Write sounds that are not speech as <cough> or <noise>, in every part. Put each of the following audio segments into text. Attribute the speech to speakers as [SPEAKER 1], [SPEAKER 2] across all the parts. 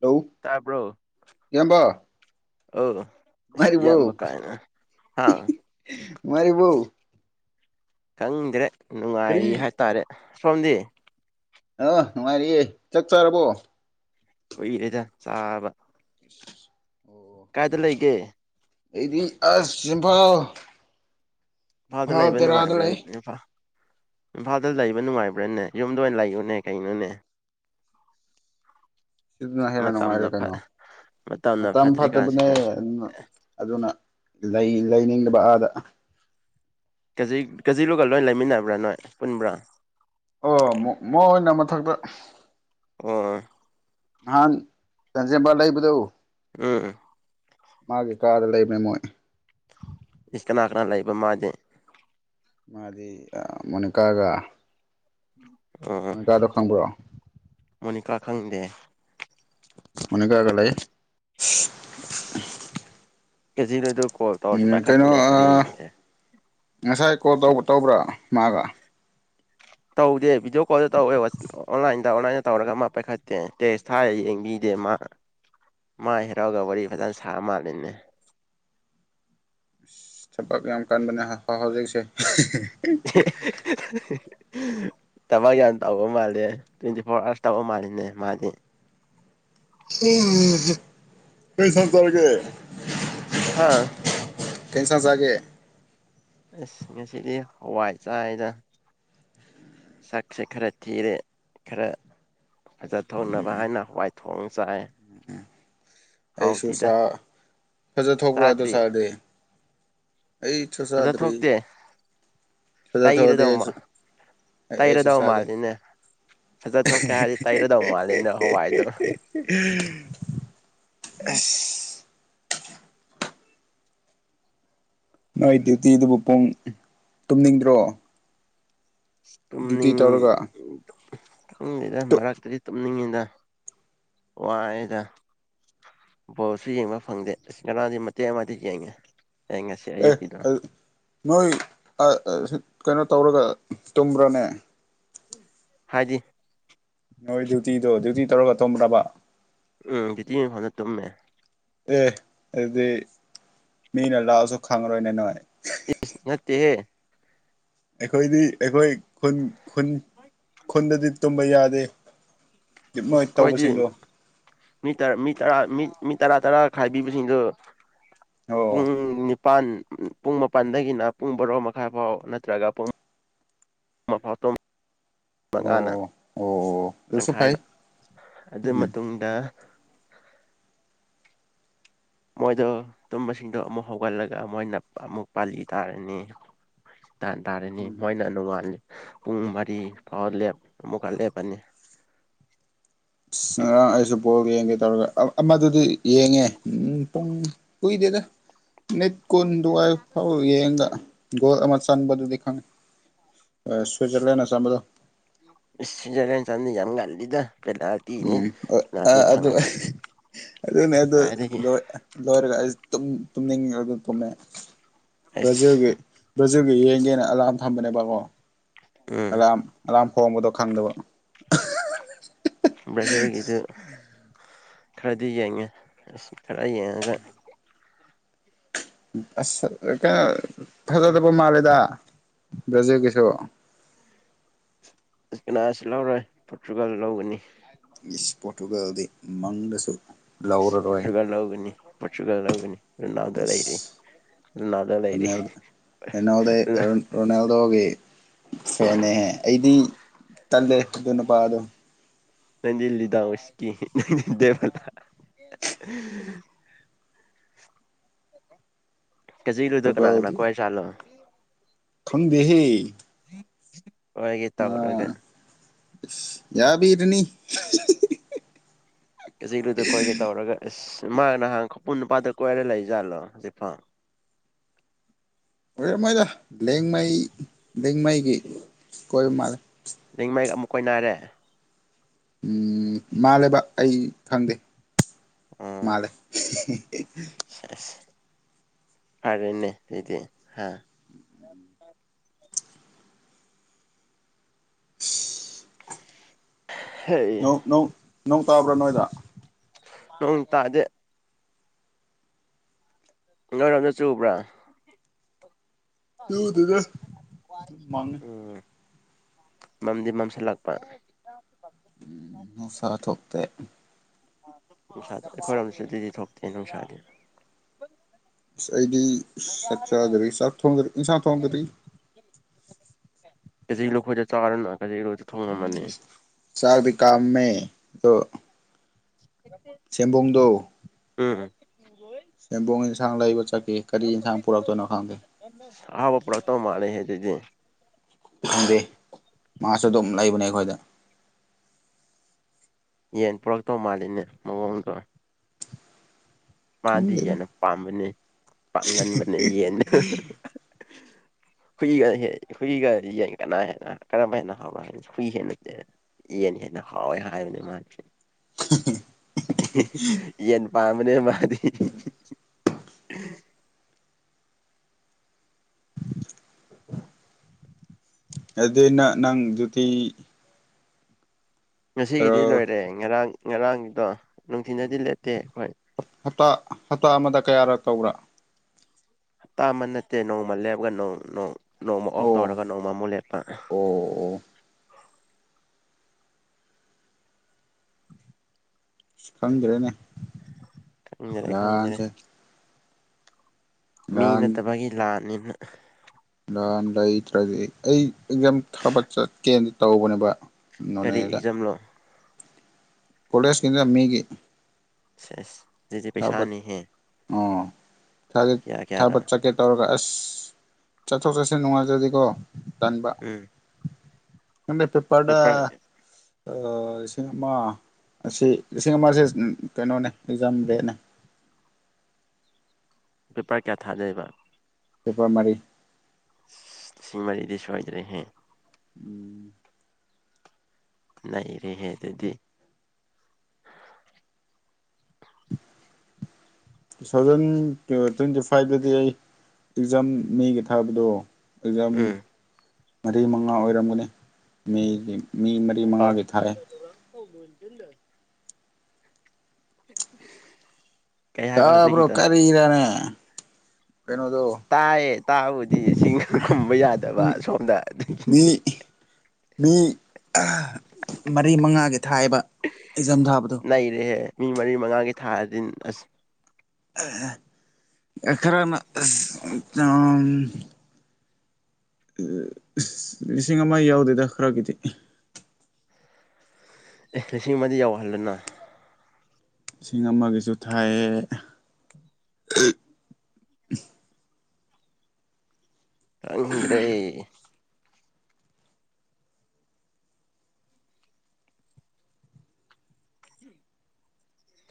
[SPEAKER 1] ꯍꯎ
[SPEAKER 2] ꯇꯥꯕ꯭ꯔꯣ
[SPEAKER 1] ꯀꯕꯥꯎ
[SPEAKER 2] ꯑꯧ
[SPEAKER 1] ꯃꯥꯔꯤꯎ
[SPEAKER 2] ꯏꯌꯥꯝꯕ ꯀꯥꯏꯅ ꯍꯥ
[SPEAKER 1] ꯃꯥꯔꯤꯎ
[SPEAKER 2] ꯈꯪꯗ꯭ꯔꯦ
[SPEAKER 1] ꯀꯔꯤ
[SPEAKER 2] ꯅꯨꯡꯉꯥꯏꯔꯤ ꯍꯥꯏꯇꯥꯔꯦ ꯁꯥꯎꯝꯗꯤ
[SPEAKER 1] ꯑ ꯃꯥ ꯃꯥꯔꯤꯌꯦ ꯆꯠ ꯆꯥꯔꯔꯕꯣ
[SPEAKER 2] ꯀꯨꯏꯔꯦꯗ ꯆꯥꯕ
[SPEAKER 1] ꯑ
[SPEAKER 2] ꯀꯥꯏꯗ ꯂꯩꯒꯦ
[SPEAKER 1] ꯑꯩꯗꯤ ꯑꯁ ꯏꯝꯐꯥꯜ
[SPEAKER 2] ꯏꯝꯐꯥꯗ
[SPEAKER 1] ꯏꯝꯐꯥꯜ
[SPEAKER 2] ꯂꯩꯕ
[SPEAKER 1] ꯇꯦꯔꯥꯗ
[SPEAKER 2] ꯅꯨꯡꯉꯥꯏꯕ꯭ꯔꯥ
[SPEAKER 1] ꯂꯩ
[SPEAKER 2] ꯏꯐꯥ ꯏꯝꯐꯥꯜꯗ ꯂꯩꯕ ꯅꯨꯡꯉꯥꯏꯕ꯭ꯔꯥꯅꯦ ꯌꯨꯝꯗ ꯑꯣꯏꯅ ꯂꯩꯌꯨꯅꯦ ꯀꯩꯅꯣꯅꯦ
[SPEAKER 1] ꯁꯤꯗꯨꯅ ꯍꯦꯟꯅ
[SPEAKER 2] ꯃꯇꯝꯅ
[SPEAKER 1] ꯅꯨꯡꯉꯥꯏꯔꯦ
[SPEAKER 2] ꯐꯠ
[SPEAKER 1] ꯀꯩꯅꯣ
[SPEAKER 2] ꯃꯇꯝꯅ
[SPEAKER 1] ꯃꯇꯝ ꯐꯠꯇꯕꯅꯦ
[SPEAKER 2] ꯐꯠꯇ꯭ꯔꯤꯀꯥꯟꯁꯤꯗ
[SPEAKER 1] ꯑꯗꯨ ꯑꯗꯨꯅ ꯂꯩꯅꯤꯡꯗꯕ ꯑ <unintelligible>
[SPEAKER 2] ꯀꯦꯖꯤ ꯀꯖꯤꯔꯒ ꯂꯣꯏ ꯂꯩꯃꯤꯟꯅꯕ꯭ꯔꯥ ꯅꯣꯏ ꯄꯨꯟꯕ꯭ꯔꯥ
[SPEAKER 1] ꯑꯣ ꯃꯣꯏꯅ ꯃꯊꯛꯇ
[SPEAKER 2] ꯑꯣ
[SPEAKER 1] ꯍ ꯁꯟꯁꯝꯕꯥꯗ
[SPEAKER 2] ꯎꯝ
[SPEAKER 1] ꯃꯥꯒꯤ ꯀꯥꯗ ꯂꯩꯕꯅꯦ ꯃꯣꯏ
[SPEAKER 2] ꯏꯁ ꯀꯅꯥ ꯀꯅꯥ ꯂꯩꯕ ꯃꯥꯁꯦ
[SPEAKER 1] ꯃꯥꯗꯤ ꯃꯣꯅꯤꯀꯥꯒ
[SPEAKER 2] ꯎꯝ
[SPEAKER 1] ꯃꯣꯏꯀꯥꯗꯣ ꯈꯪꯕ꯭ꯔꯣ
[SPEAKER 2] ꯀꯥꯈꯪꯗꯦ
[SPEAKER 1] ꯍꯅꯤꯀꯑꯒ ꯂꯩ
[SPEAKER 2] ꯑꯁ ꯀꯦꯖꯤ ꯂꯣꯏꯗ
[SPEAKER 1] ꯎ ꯀꯩꯅꯣ ꯉꯁꯥꯏ ꯀꯣꯜ ꯇꯧꯕ ꯇꯧꯕ꯭ꯔꯥ ꯃꯥꯉ
[SPEAKER 2] ꯇꯧꯗꯦꯕꯤꯖꯣ ꯣꯗ ꯇ ꯑꯣꯏ ꯑꯣꯟꯂꯥꯏꯟ ꯑ ꯑꯣꯟꯂꯥꯏꯟꯗ ꯇꯧꯔꯒ ꯃꯥ ꯄꯥꯏꯈꯠꯇꯦ ꯇꯦꯛꯁ ꯊꯥꯗ ꯌꯦꯡꯕꯤꯗꯦ ꯃꯥ ꯃꯥ ꯍꯦꯔꯥꯎꯒ ꯋꯥꯔꯤ ꯐꯖꯅ ꯁꯥꯔ ꯃꯥꯜꯂꯤꯅꯦ
[SPEAKER 1] ꯊꯥꯕꯛ ꯌꯥꯝ ꯀꯟꯕꯅꯦ ꯍꯧꯖꯤꯛꯁꯦ <unintelligible>
[SPEAKER 2] <unintelligible> ꯊꯕꯛ ꯌꯥꯝ ꯇꯧꯕ ꯃꯥꯜꯂꯦ ꯇ꯭ꯋꯦꯟꯇꯤ ꯐꯣꯔ ꯑꯥꯋꯥꯔꯁ ꯇꯧꯕ ꯃꯥꯜꯂꯤꯅꯦ ꯃꯥꯗꯤ
[SPEAKER 1] <inaudible> ꯀꯩ ꯏꯟꯖꯡ ꯆꯥꯔꯒꯦ
[SPEAKER 2] ꯍꯥꯥ
[SPEAKER 1] ꯀꯩ ꯏꯟꯁꯡ ꯆꯥꯒꯦ
[SPEAKER 2] ꯑꯁ ꯉꯁꯤꯗꯤ ꯍꯋꯥꯏ ꯆꯥꯏꯗ ꯁꯛꯁꯦ ꯈꯔ ꯊꯤꯔꯦ ꯈꯔ ꯐꯖ ꯊꯧꯅꯕ ꯍꯥꯏꯅ ꯍꯋꯥꯏ ꯊꯣꯡꯁꯥꯏ
[SPEAKER 1] <unintelligible> ꯑꯩꯁꯨ ꯁꯥꯔ ꯐꯖꯊꯄ꯭ꯔꯥ ꯑꯗꯨ
[SPEAKER 2] ꯆꯥꯗ꯭ꯔꯤ
[SPEAKER 1] ꯆꯥꯔꯗꯤ ꯑꯩ ꯆꯥꯛꯆꯥꯗ꯭ꯔꯤ
[SPEAKER 2] ꯐꯖꯊꯣꯛꯇꯦ
[SPEAKER 1] ꯐꯖꯊꫭꯛ ꯑꯗꯤ
[SPEAKER 2] ꯇꯩꯔꯗꯧ ꯃꯥ
[SPEAKER 1] ꯑꯩꯁꯨ ꯑꯩꯁꯨ
[SPEAKER 2] ꯇꯩꯔꯗꯧ
[SPEAKER 1] ꯆꯥꯒꯦ
[SPEAKER 2] ꯃꯥꯜꯂꯤꯅꯦ ꯐꯖꯊꯣꯛꯀꯦ ꯍꯥꯏꯔꯗꯤ ꯇꯩꯔꯗꯧ ꯃꯥꯜꯂꯤꯅꯦ ꯍꯋꯥꯏꯗꯣ
[SPEAKER 1] <unintelligible> ꯑꯦꯁ ꯅꯣꯏ ꯗ꯭ꯌꯨꯇꯤꯗꯨꯕꯨ ꯄꯨꯡ ꯇꯨꯝꯅꯤꯡꯗ꯭ꯔꯣ ꯗ꯭ꯌꯨꯇꯤ
[SPEAKER 2] ꯇꯨꯝꯅꯤꯡ
[SPEAKER 1] ꯇꯧꯔꯒ
[SPEAKER 2] ꯈꯪꯗꯦꯗ ꯃꯔꯛꯇꯗꯤ ꯇꯨꯝꯅꯤꯡꯉꯤꯗ ꯋꯥꯏꯗ ꯕꯣꯜꯁꯨ ꯌꯦꯡꯕ ꯐꯪꯗꯦ ꯑꯁ ꯉꯔꯡꯗꯤ ꯃꯇꯦꯛ ꯑꯃ ꯌꯦꯡꯉꯦ ꯑꯩ ꯉꯁꯤ ꯑꯌꯨꯛꯀꯤꯗꯣ
[SPEAKER 1] ꯑꯦ ꯅꯣꯏ ꯑ ꯀꯩꯅꯣ ꯇꯧꯔꯒ ꯇꯨꯝꯕ꯭ꯔꯅꯦ
[SPEAKER 2] ꯍꯥꯏꯗꯤ
[SPEAKER 1] ꯅꯣꯏ ꯗ꯭ꯌꯨꯇꯤꯗꯣ ꯗ꯭ꯌꯨꯇꯤ ꯇꯧꯔꯒ ꯇꯣꯝꯕ꯭ꯔꯕ
[SPEAKER 2] ꯎꯝ ꯗꯤꯎꯇꯤ ꯃꯥꯐꯝꯗ ꯇꯨꯝꯄꯦ
[SPEAKER 1] ꯑꯦ ꯑꯗꯨꯗꯤ ꯃꯤꯅ ꯂꯥꯛꯑꯁꯨ ꯈꯪꯉꯔꯣꯏꯅꯦ ꯅꯥꯏ
[SPEAKER 2] ꯏꯁ ꯅꯠꯇꯦꯍꯦ
[SPEAKER 1] ꯑꯩꯈꯣꯏꯗꯤ ꯑꯩꯈꯣꯏ ꯈꯨꯟ ꯈꯨꯟ ꯈꯨꯟꯗꯗꯤ ꯇꯨꯝꯕ ꯌꯥꯗꯦ ꯃꯣꯏ
[SPEAKER 2] ꯏꯁ ꯑꯩꯈꯣꯏꯗꯤ
[SPEAKER 1] ꯇꯧꯕꯁꯤꯡꯗꯣ
[SPEAKER 2] ꯃꯤ ꯃꯤ ꯇꯔꯥ ꯃꯤ ꯃꯤ ꯇꯔꯥ ꯇꯔꯥ ꯈꯥꯏꯕꯤꯕꯁꯤꯡꯗꯣ
[SPEAKER 1] ꯑꯣ
[SPEAKER 2] ꯄꯥꯟ ꯄꯨꯡ ꯃꯄꯥꯟꯗꯒꯤꯅ ꯄꯨꯡ ꯕꯣꯔꯣ ꯃꯈꯥꯏ ꯐꯥꯎ ꯅꯠꯇ꯭ꯔꯒ ꯄꯨꯡ ꯑꯃꯥꯐꯧ ꯇꯝ ꯃꯉꯥꯅ
[SPEAKER 1] ꯑꯣ ꯑꯣ ꯑꯗꯨꯁꯨ ꯐꯩ
[SPEAKER 2] ꯇꯪꯈꯥꯏꯗ ꯑꯗꯨ
[SPEAKER 1] ꯎꯝ
[SPEAKER 2] ꯃꯇꯨꯡꯗ ꯃꯣꯏꯗꯣ ꯇꯨꯝꯕꯁꯤꯡꯗꯣ ꯑꯃꯨꯛ ꯍꯧꯒꯠꯂꯒ ꯃꯣꯏꯅ ꯑꯃꯨꯛ ꯄꯥꯜꯂꯤ ꯇꯥꯔꯅꯤ ꯇꯥꯟ ꯇꯥꯔꯅꯤ ꯃꯣꯏꯅ ꯅꯨꯡꯉꯟ ꯄꯨꯡ ꯃꯔꯤ ꯐꯥꯎ ꯂꯦꯞ ꯑꯃꯨꯛꯀ ꯂꯦꯞꯄꯅꯤ
[SPEAKER 1] ꯑꯁ ꯉꯔꯥꯡ ꯑꯩꯁꯨ ꯕꯣꯜ ꯌꯦꯡꯒꯦ ꯇꯧꯔꯒ ꯑꯃꯗꯨꯗꯤ ꯌꯦꯡꯉꯦ ꯄꯨꯡ ꯀꯨꯏꯗꯦꯗ ꯃꯤꯅꯤꯠ ꯀꯨꯟꯗꯨꯋꯥꯏ ꯐꯥꯎ ꯌꯦꯡꯗ ꯒꯣꯜ ꯑꯃ ꯆꯟꯕꯗꯨꯗꯤ ꯈꯪꯉꯦ ꯁ꯭ꯋꯤꯖꯔꯂꯦꯟꯅ ꯆꯟꯕꯗꯣ
[SPEAKER 2] ꯁꯨꯏꯖ꯭ꯔꯂꯦꯟ ꯆꯥꯟꯕꯗꯤ ꯌꯥꯝ ꯉꯜꯂꯤꯗꯥ
[SPEAKER 1] ꯎꯝ ꯑ ꯑꯗꯨ ꯑꯗꯨꯅꯦ ꯑꯗꯨ
[SPEAKER 2] ꯀꯥꯏꯗꯒꯤ
[SPEAKER 1] ꯂꫭꯏ ꯂꫭꯏꯔꯒ ꯇꯨꯝ ꯇꯨꯝꯅꯤꯡ ꯑꯗꯨꯝ ꯇꯨꯝꯃꯦ
[SPEAKER 2] ꯑꯁ
[SPEAKER 1] ꯕ꯭ꯌꯖꯤꯜꯒꯤ ꯕꯖꯨꯒꯤ ꯌꯦꯡꯒꯦꯅ ꯑꯂꯥꯔꯝ ꯊꯝꯕꯅꯦꯕꯀꯣ
[SPEAKER 2] ꯎꯝ
[SPEAKER 1] ꯑꯔꯝ ꯑꯔꯝ ꯍꯣꯡꯕꯗꯣ ꯈꯪꯗꯕ
[SPEAKER 2] ꯕ꯭ꯔꯖꯦꯜ ꯏꯗꯨ ꯈꯔꯗꯤ ꯌꯦꯡꯉꯦ ꯑꯁ ꯆꯔꯒ
[SPEAKER 1] ꯑ ꯀ ꯐꯖꯗꯕ ꯃꯥꯜꯂꯦꯗ ꯕ꯭ꯔꯖꯦꯜ ꯀꯁꯨ
[SPEAKER 2] ꯀꯅꯥꯁꯤ ꯂꯧꯔꯣꯏ ꯄꯣꯔꯇꯨꯒꯥꯜ ꯂꯧꯒꯅꯤ
[SPEAKER 1] ꯏꯁ ꯄꯣꯔꯇꯨꯒꯜꯗꯤ ꯃꯪꯗꯁꯨ ꯂꯧꯔꯔꯣꯏ
[SPEAKER 2] ꯄꯣꯔꯆꯨꯒꯜ ꯂꯧꯒꯅꯤ ꯄꯣꯔꯆꯨꯒꯜ ꯂꯧꯒꯅꯤ ꯂꯨꯅꯥꯎꯗ ꯂꯩꯔꯤ ꯂꯨꯅꯥꯗ ꯂꯩꯔꯤ
[SPEAKER 1] ꯔꯣꯅꯥꯜ ꯔꯣꯅꯥꯜꯗꯣ ꯐꯦꯅꯦꯍꯦ ꯑꯩꯗꯤ ꯇꯂꯦ ꯑꯗꯨꯅꯄꯥꯥꯗꯣ
[SPEAKER 2] ꯅꯗꯤ ꯂꯤꯗ ꯎꯁꯀꯤ ꯅꯗꯦꯕꯂ ꯀꯖꯤꯔꯣꯏꯗꯣ ꯀꯅꯥ ꯀꯅꯥ ꯀꯋꯥꯦ ꯆꯂꯣ
[SPEAKER 1] ꯊꯨꯟꯕꯤꯍꯤ
[SPEAKER 2] <unintelligible> ꯃꯣꯏꯒꯤ ꯇꯧꯔꯒ
[SPEAKER 1] ꯌꯥꯕ ꯏꯔꯅꯤ
[SPEAKER 2] ꯀꯦꯖꯤꯂꯨꯗ ꯀꯣꯏꯒꯦ ꯇꯧꯔꯒ ꯑꯦꯁ ꯃꯥ ꯅꯍꯥꯟ ꯈꯨꯄꯨꯟ ꯅꯨꯄꯥꯗ ꯀꯣꯏꯔ ꯂꯩꯖꯥꯠꯂꯣ ꯍꯧꯖꯤꯛ ꯐꯥꯎ
[SPEAKER 1] ꯑꯣꯏꯃꯣꯏꯗ ꯂꯦꯡꯃꯩ ꯂꯦꯡꯉꯩꯒꯤ ꯀꯣꯏꯕ ꯃꯥꯜꯂꯦ
[SPEAKER 2] ꯀꯣꯏꯅꯥꯔꯦ
[SPEAKER 1] ꯎꯝ ꯃꯥꯜꯂꯦꯕ ꯑꯩ ꯈꯪꯗꯦ ꯃꯥꯂ
[SPEAKER 2] ꯁꯔ ꯑꯔꯦꯅꯦꯗꯤ ꯍꯥ
[SPEAKER 1] <unintelligible>
[SPEAKER 2] ꯍꯩ
[SPEAKER 1] ꯅꯧ ꯅꯧ ꯅꯣꯡ ꯇꯥꯕ꯭ꯔꯥ ꯅꯣꯏꯗ
[SPEAKER 2] ꯅ ꯇꯥꯖꯦ ꯅꯣꯏꯔꯣꯝ ꯆꯠ ꯆꯨꯕ꯭ꯔꯥ
[SPEAKER 1] ꯇꯨꯗꯦꯗ ꯃꯪꯉꯦ
[SPEAKER 2] ꯎꯝ ꯃꯝꯗꯤ ꯃꯝꯁꯤꯜꯂꯥꯛꯄ
[SPEAKER 1] ꯎꯝ ꯃꯁꯥ ꯊꯣꯛ ꯇꯦ
[SPEAKER 2] ꯅꯨꯡꯁꯥꯗ ꯑꯩꯈꯣꯏꯔꯣꯝꯁꯨ ꯗꯨꯗꯤ ꯊꯣꯛꯇꯦ ꯅꯨꯡꯁꯥꯗꯤ
[SPEAKER 1] ꯁ ꯑꯩꯗꯤ ꯁ ꯆꯥꯛ ꯆꯥꯗꯔꯤ ꯆꯥꯛ ꯊꫭꯡꯗꯔꯤ ꯏꯟꯁꯥꯡ ꯊꯣꯡꯗꯔꯤ
[SPEAKER 2] ꯉꯁꯤ ꯂꯨꯈꫭꯏꯗ ꯆꯥꯔꫭꯗꯅꯥ <unintelligible>
[SPEAKER 1] ꯆꯥꯛꯗꯤ ꯀꯥꯝꯃꯦ ꯑꯗꯨ
[SPEAKER 2] <inaudible>
[SPEAKER 1] ꯁꯦꯝꯕꫭꯡꯗꫭ
[SPEAKER 2] ꯑ ꯎꯋꫭ
[SPEAKER 1] ꯁꯦꯝꯕꯣꯡ ꯏꯟꯁꯥꯡ ꯂꯩꯕ ꯆꯠꯈꯤ ꯀꯔꯤ ꯌꯦꯟꯁꯥꯡ ꯄꯨꯔꯛꯇꯣꯏꯅꯣ ꯈꯪꯗꯦ
[SPEAKER 2] ꯑꯍꯥꯥꯎꯕ ꯄꯨꯔꯛꯇꯧ ꯃꯥꯜꯂꯦꯍꯦ ꯑꯗꯨꯗꯤ
[SPEAKER 1] ꯈꯪꯗꯦ ꯃꯥꯁꯨ ꯑꯗꯨꯝ ꯂꯩꯕꯅꯦ ꯑꯩꯈꯣꯏꯗ
[SPEAKER 2] ꯌꯦꯟ ꯄꯨꯔꯛꯇꯧ ꯃꯥꯜꯂꯤꯅꯦ ꯃꯑꯣꯡꯗꯣ ꯃꯥꯗꯤ
[SPEAKER 1] ꯈꯪꯗꯦꯗ
[SPEAKER 2] ꯌꯦꯟꯅ ꯄꯥꯝꯕꯅꯦ, ꯄꯥꯝꯒꯟꯕꯅꯦ ꯌꯦꯟꯅ <unintelligible> ꯍꯨꯏꯒ ꯍꯦ ꯍꯨꯏꯒ ꯌꯦꯟ ꯀꯅꯥ ꯍꯦꯟꯅ ꯀꯔꯝꯕ ꯍꯦꯟꯅ ꯍꯥꯎꯕ꯭ꯔ ꯍꯥꯏꯃꯦ ꯍꯨꯏ ꯍꯩꯅꯗꯦ ꯌꯦꯟꯅ ꯍꯦꯟꯅ ꯍꯥꯎꯋꯦ ꯍꯥꯏꯕꯅꯤ ꯃꯥꯗꯤ꯫
[SPEAKER 1] <inaudible>
[SPEAKER 2] <unintelligible> ꯌꯦꯟ꯫ ꯄꯥꯝꯕꯅꯦ ꯃꯥꯗꯤ꯫
[SPEAKER 1] ꯑꯗꯨꯅ ꯅꯪꯗꯨꯗꯤ
[SPEAKER 2] ꯉꯁꯤꯒꯤꯗꯤ ꯂꯣꯏꯔꯦ ꯉꯔꯥꯡ ꯉꯔꯥꯡꯒꯤꯗꯣ ꯅꯨꯡꯊꯤꯟꯗꯗꯤ
[SPEAKER 1] ꯎꯝ
[SPEAKER 2] ꯂꯦꯞꯇꯦ ꯑꯩꯈꯣꯏ
[SPEAKER 1] ꯍꯇꯥ ꯍꯇꯥ ꯑꯃꯗ ꯀꯌꯥꯔꯛ ꯇꯧꯔ
[SPEAKER 2] ꯍꯞꯇꯥ ꯑꯃ ꯅꯠꯇꯦ ꯅꯣꯡꯃ ꯂꯦꯞ ꯒ ꯅꯣꯡ ꯅꯣꯡ ꯅꯣꯡꯃ ꯑꯣꯐ
[SPEAKER 1] ꯑꯣ
[SPEAKER 2] ꯇꯧꯔꯒ ꯅꯣꯡꯃꯃꯨ ꯂꯦꯞꯄ
[SPEAKER 1] ꯑꯣ ꯑꯣ ꯈꯪꯗ꯭ꯔꯦꯅꯦ
[SPEAKER 2] ꯈꯪꯗꯔꯦ ꯈꯪꯗꯔꯦ
[SPEAKER 1] ꯂꯥꯟꯁꯦ
[SPEAKER 2] ꯃꯤ
[SPEAKER 1] ꯂꯥꯟ
[SPEAKER 2] ꯅꯠꯇꯕꯒꯤ ꯂꯥꯟꯅꯤꯅ
[SPEAKER 1] ꯂꯥꯟ ꯂꯩꯇ꯭ꯔꯗꯤ ꯑꯩ ꯑꯦꯛꯖꯥꯝ ꯊꯥꯕ ꯆꯠꯀꯦꯅ ꯇꯧꯕꯅꯦꯕ
[SPEAKER 2] ꯀꯔꯤ ꯑꯦꯛꯖꯥꯝꯂꯣ
[SPEAKER 1] ꯀꫭꯂꯦꯁ ꯀꯤꯅꯤꯗ ꯃꯤꯒꯤ
[SPEAKER 2] ꯁꯦꯁ ꯑꯗꯨꯗꯤ
[SPEAKER 1] ꯊꯥꯕꯠ
[SPEAKER 2] ꯄꯩꯁꯥꯅꯤꯍꯦ
[SPEAKER 1] ꯑꯣ ꯊꯥꯗꯠ
[SPEAKER 2] ꯀꯌꯥ ꯀꯌꯥꯔ
[SPEAKER 1] ꯊꯥꯕꯠ ꯆꯠꯀꯦ ꯇꯧꯔꯒ ꯑꯁ ꯁ ꯆꯠꯊꯣꯛ ꯆꯠꯁꯤꯟ ꯅꯨꯡꯉꯥꯏꯖꯔꯗꯤꯀꯣ ꯇꯟꯕ
[SPEAKER 2] ꯎꯝ
[SPEAKER 1] ꯑꯦ ꯄꯦ ꯄꯗ
[SPEAKER 2] ꯄꯦꯄꯔ
[SPEAKER 1] ꯂꯤꯁꯤꯡ ꯑꯃ ꯑꯁꯤ ꯂꯤꯁꯤꯡ ꯑꯃꯁꯤ ꯀꯩꯅꯣꯅꯦ ꯑꯦꯛꯖꯥꯝ ꯗꯦ <unintelligible>
[SPEAKER 2] ꯄꯦꯄꯔ ꯀꯌꯥ ꯊꯥꯗꯣꯏꯕ
[SPEAKER 1] ꯄꯦꯄꯔꯃꯔꯤ
[SPEAKER 2] ꯂꯤꯁꯤꯡ ꯃꯔꯤꯗꯤ ꯁꯋꯥꯗꯔꯦ ꯍꯦ
[SPEAKER 1] ꯎꯝ
[SPEAKER 2] ꯅ ꯔꯦ ꯍꯦ ꯑꯗꯨꯗꯤ
[SPEAKER 1] ꯇꯨ ꯊꯥꯎꯖꯟ ꯇ꯭ꯋꯦꯟꯇꯤ ꯐꯥꯏꯚꯇꯗꯤ ꯑꯩ ꯑꯦꯛꯖꯥꯝ ꯃꯦꯒ ꯊꯥꯕꯗꯣ ꯌꯥꯝꯝ
[SPEAKER 2] ꯎꯝ
[SPEAKER 1] ꯃꯔꯤ ꯃꯉꯥ ꯑꯣꯏꯔꯝꯒꯅꯤ ꯃꯦꯒꯤ ꯃꯤ ꯃꯔꯤ
[SPEAKER 2] ꯑ
[SPEAKER 1] ꯃꯉꯥꯒꯤ ꯊꯥꯏ
[SPEAKER 2] <unintelligible> <unintelligible> ꯍꯥꯏꯕ
[SPEAKER 1] ꯇꯥꯕ꯭ꯔꯣ
[SPEAKER 2] ꯍꯧꯖꯤꯛꯀꯤꯗꯣ
[SPEAKER 1] ꯀꯔꯤꯔꯅꯦꯦ
[SPEAKER 2] ꯇꯥꯏꯌꯦ ꯇꯥꯕꯕꯨꯗꯤ ꯁꯤꯅ ꯈꯨꯝꯕ ꯌꯥꯗꯕ ꯁꯣꯝꯗ
[SPEAKER 1] ꯃꯤ
[SPEAKER 2] ꯑꯗꯨꯒꯤꯅꯤ
[SPEAKER 1] ꯃꯤ ꯃꯔꯤ ꯃꯉꯥꯒꯤ ꯊꯥꯏꯕ ꯑꯦꯛꯖꯥꯝ ꯊꯥꯕꯗꯨꯣ
[SPEAKER 2] ꯅꯩꯔꯦꯍꯦ ꯃꯤ ꯃꯔꯤ ꯃꯉꯥꯒꯤ ꯊꯥꯗꯤ ꯑꯁ
[SPEAKER 1] ꯑꯈꯔꯅ ꯂꯤꯁꯤꯡ ꯑꯃ ꯌꯥꯎꯗꯣꯏꯗ ꯈꯔꯒꯤꯗꯤ
[SPEAKER 2] ꯑꯦ ꯂꯤꯁꯤꯡ ꯑꯃꯗꯤ ꯌꯧꯍꯜꯂꯅ
[SPEAKER 1] ꯏꯁꯤꯡ ꯑꯃꯒꯤꯁꯨ ꯊꯥꯏꯑ
[SPEAKER 2] ꯑꯗ꯭ꯔꯦ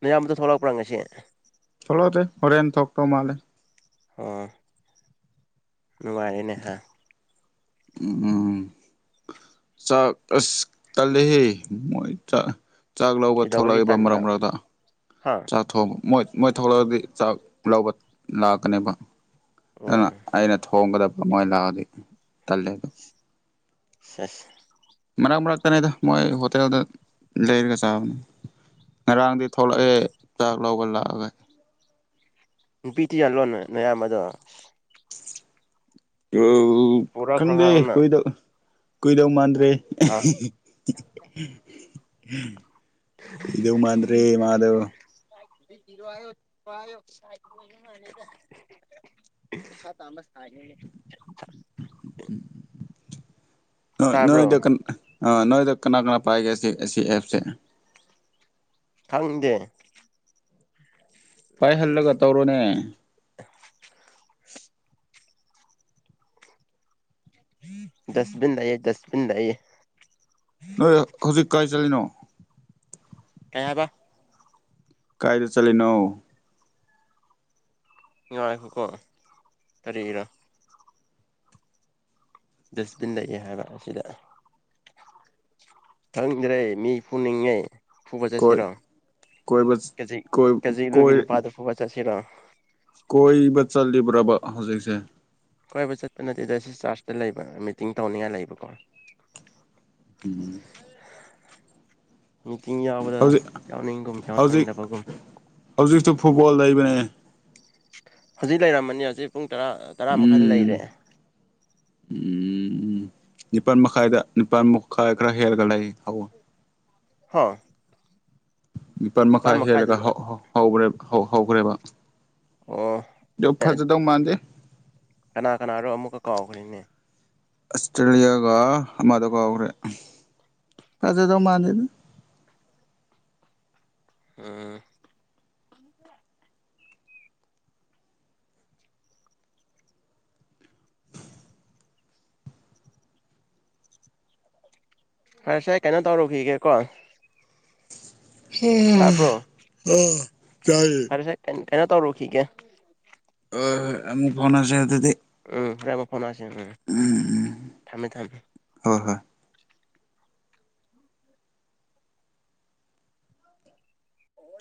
[SPEAKER 2] ꯃꯌꯥꯝꯗ ꯊꯣꯛꯂꯛꯄ꯭ꯔꯥ ꯉꯁꯦ
[SPEAKER 1] ꯊꯣꯛꯂꯣꯗ ꯍꯣꯔꯦꯟꯦꯟ ꯊꯣꯛꯣꯛ ꯇꯧ ꯃꯥꯂꯦ
[SPEAKER 2] ꯑ ꯅꯨꯡꯥꯏꯅꯦꯍ
[SPEAKER 1] ꯎ ꯆꯥꯛꯁ ꯀꯦꯍꯦ ꯃꯣꯏ ꯆ ꯆꯥꯛ ꯂꯧꯕ
[SPEAKER 2] ꯀꯩꯗꯧꯕꯒꯤ
[SPEAKER 1] ꯊꯣꯛꯂꯛꯏꯕ
[SPEAKER 2] ꯇꯟꯕ
[SPEAKER 1] ꯃꯔꯛ ꯃꯔꯛꯇ
[SPEAKER 2] ꯍꯥ
[SPEAKER 1] ꯆꯠ ꯊ ꯃꯣꯏ ꯃꯣꯏ ꯊꯂꯛꯑꯗꯤ ꯆꯥꯛ ꯂꯧꯕ ꯂꯥꯛꯀꯅꯦꯕ
[SPEAKER 2] ꯑꯣ
[SPEAKER 1] ꯍꯒꯗ ꯄꯃꯣ ꯂꯗꯤ ꯇꯂꯦ ꯑꯗꯨ
[SPEAKER 2] ꯁꯦꯁ
[SPEAKER 1] ꯃꯔꯛ ꯃꯔꯛꯇꯅꯤꯗ ꯃꯣꯏ ꯍꯣꯇꯦꯜꯗ ꯂꯩꯔꯒ ꯆꯥꯕꯅꯤ ꯉꯔꯥꯡꯗꯤ ꯊꯣꯛꯂꯛꯑꯦ ꯆꯥꯛ ꯂꯧꯒ ꯂꯥꯛꯑꯒ
[SPEAKER 2] ꯅꯨꯄꯤꯇꯤꯌꯥ ꯂꯣꯟꯅ ꯃꯌꯥꯝ ꯑꯗꯣ
[SPEAKER 1] ꯑꯣ ꯎ
[SPEAKER 2] ꯄꯨꯔꯛꯈ꯭ꯔꯣ
[SPEAKER 1] ꯀꯪꯗꯦ
[SPEAKER 2] ꯍꯥꯎꯅ
[SPEAKER 1] ꯑꯩꯗ ꯀꯣꯏꯏꯗꯧ ꯃꯥꯟꯗ꯭ꯔꯦ <unintelligible>
[SPEAKER 2] ꯑꯥ
[SPEAKER 1] ꯎꯝ ꯄꯤꯗꯧ ꯃꯥꯟꯗꯔꯤ ꯃꯥꯗꯕ
[SPEAKER 2] ꯔ ꯇꯥꯃꯁ ꯇꯥꯕ꯭ꯔꯣ
[SPEAKER 1] ꯅꯣꯏꯗꯀ ꯑ ꯅꯣꯏꯗ ꯀꯅꯥ ꯀꯅꯥ ꯄꯑꯒꯦ ꯑꯦꯁꯤ ꯑꯦꯞꯁꯦ
[SPEAKER 2] ꯀꯪꯗꯦ
[SPEAKER 1] ꯄꯥꯏꯍꯜꯂꯒ ꯇꯧꯔꯣꯅꯦ
[SPEAKER 2] ꯗꯁꯕꯤꯤꯟꯗꯏꯌꯦ ꯗꯁꯕꯤꯤꯟꯗꯏ
[SPEAKER 1] ꯅꯣꯏ ꯍꯧꯖꯤꯛ ꯀꯥꯏ ꯆꯠꯂꯤꯅꯣ
[SPEAKER 2] ꯀꯩ ꯍꯥꯏꯕ
[SPEAKER 1] ꯀꯥꯏꯗ ꯆꯂꯅꯣ
[SPEAKER 2] ꯅꯨꯡꯉꯥꯏꯀ ꯇꯔꯤꯔꯣ ꯗꯁꯕꯤꯟ ꯂꯩꯌꯦ ꯍꯥꯏꯕ ꯑꯁꯤꯗ ꯇꯪꯗ꯭ꯔꯦ ꯃꯤ ꯄꯨꯅꯤꯡꯉꯦ ꯐꯨꯕ
[SPEAKER 1] ꯀꯣꯏ
[SPEAKER 2] ꯆꯠꯁꯤꯔꯣ
[SPEAKER 1] ꯀꯣꯏꯕ ꯀꯣꯏ
[SPEAKER 2] ꯀꯖꯤꯔꯣꯒꯤ ꯅꯨꯄꯥꯗꯨ ꯐꯨꯕ ꯆꯠꯁꯤꯔꯣ
[SPEAKER 1] ꯀꯣꯏ ꯆꯠꯂꯤꯕ꯭ꯔꯕ ꯍꯧꯖꯤꯛꯁꯦ
[SPEAKER 2] ꯀꯣꯏꯕ ꯆꯠꯄ ꯅꯠꯇꯦꯗ ꯁꯤ ꯆꯥꯔꯆꯇ ꯂꯩꯕ ꯃꯤꯇꯤꯡ ꯇꯧꯅꯤꯡꯉꯥꯏ ꯂꯩꯕꯀꯣ
[SPEAKER 1] ꯎꯝ
[SPEAKER 2] ꯃꯤꯇꯤꯡ ꯌꯥꯎꯕꯗ
[SPEAKER 1] ꯍꯧꯖꯤꯛ
[SPEAKER 2] ꯌꯥꯎꯅꯤꯡꯒꯨꯝ
[SPEAKER 1] ꯍꯧꯖꯤꯛ
[SPEAKER 2] ꯌꯥꯎꯅꯤꯡꯗꯕꯒꯨꯝ
[SPEAKER 1] ꯍꯧꯖꯤꯛꯁꯨ ꯐꯨꯠꯕꯣꯜ ꯂꯩꯕꯅꯦ
[SPEAKER 2] ꯍꯧꯖꯤꯛ ꯂꯩꯔꯝꯃꯅꯤ ꯍꯧꯖꯤꯛ ꯄꯨꯡ ꯇꯔꯥ ꯃꯈꯥꯏꯗ
[SPEAKER 1] ꯎꯝ
[SPEAKER 2] ꯂꯩꯔꯦ
[SPEAKER 1] ꯎꯝ ꯅꯤꯄꯥꯜ ꯃꯈꯥꯏꯗ ꯅꯤꯄꯥꯜ ꯃꯈꯥꯏ ꯈꯔ ꯍꯦꯜꯂꯒ ꯂꯩ ꯍꯧꯋ
[SPEAKER 2] ꯍꯥ
[SPEAKER 1] ꯅꯤꯄꯥꯜ ꯃꯈꯥꯏ ꯍꯦꯜꯂꯒ ꯍꯧꯕꯅꯦꯕ ꯍꯧꯈ꯭ꯔꯦꯕ
[SPEAKER 2] ꯑꯣ
[SPEAKER 1] ꯑꯗꯨ ꯐꯖꯗꯧ ꯃꯥꯟꯗꯦ
[SPEAKER 2] ꯀꯅꯥ ꯀꯅꯥꯔꯣ ꯑꯃꯨꯛꯀ ꯀꯥꯎꯈ꯭ꯅꯦ
[SPEAKER 1] ꯑꯁꯇ꯭ꯔꯦꯂꯤꯌꯥꯒ ꯑ ꯃꯗꯨꯒ ꯑꯣ꯭ꯔꯦ ꯑꯗ ꯃꯥꯗꯗ
[SPEAKER 2] ꯎꯝ ꯐꯔꯁ ꯑꯩ ꯀꯩꯅꯣ ꯇꯧꯔꯨꯈꯤꯒꯦꯀꯣ
[SPEAKER 1] ꯍꯝ
[SPEAKER 2] ꯇꯥꯕ꯭ꯔꯣ
[SPEAKER 1] ꯎꯝ ꯆꯌꯦꯦ
[SPEAKER 2] ꯐꯔꯁꯦ ꯀꯩꯅꯣ ꯇꯧꯔꯨꯈꯤꯒꯦ
[SPEAKER 1] ꯑꯣ ꯐꯣꯟꯁꯤꯦ ꯑꯗꯨꯗꯤ
[SPEAKER 2] ꯎꯝ ꯔꯃ ꯐꯣꯟꯦ ꯎꯝ ꯊꯝꯃꯦ ꯊꯝꯃꯦ
[SPEAKER 1] ꯍꯣꯏ ꯍꯣꯏ